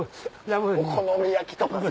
お好み焼きとかさ。